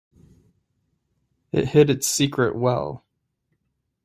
It hid its secret well.